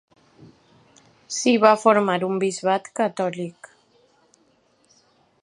S'hi va formar un bisbat catòlic.